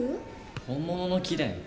本物の木だよ。